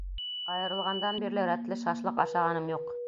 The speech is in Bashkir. Айырылғандан бирле рәтле шашлыҡ ашағаным юҡ.